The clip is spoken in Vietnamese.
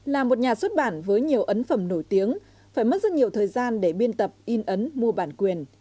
là một nhà xuất bản với nhiều ấn phẩm nổi tiếng phải mất rất nhiều thời gian để biên tập in ấn mua bản quyền